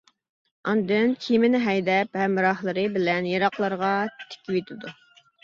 ئاندىن كېمىنى ھەيدەپ ھەمراھلىرى بىلەن يىراقلارغا تىكىۋېتىدۇ.